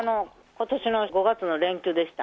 ことしの５月の連休でした。